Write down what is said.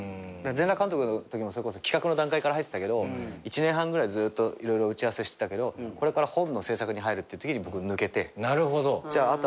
『全裸監督』のときもそれこそ企画の段階から入ってたけど１年半ぐらいずっと色々打ち合わせしてたけどこれから本の制作に入るっていうときに僕抜けてじゃあ